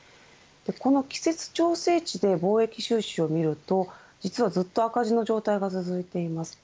この季節調整値で貿易収支を見ると実は、ずっと赤字の状態が続いています。